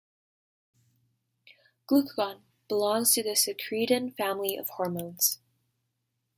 Glucagon belongs to the secritin family of hormones.